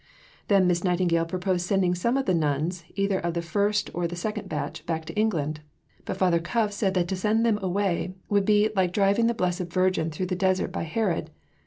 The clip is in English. Then Miss Nightingale proposed sending some of the nuns, either of the first or of the second batch, back to England; but Father Cuffe said that to send them away would be "like the driving of the Blessed Virgin through the desert by Herod."